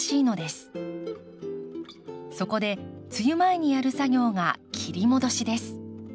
そこで梅雨前にやる作業が切り戻しです。